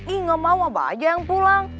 ih gak mau abah aja yang pulang